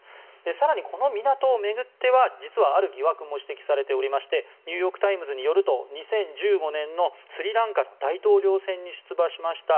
更にこの港を巡ってはある疑惑も指摘されていましてニューヨーク・タイムズによると２０１５年のスリランカの大統領選に出馬しました